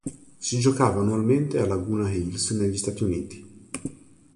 Si giocava annualmente a Laguna Hills negli Stati Uniti.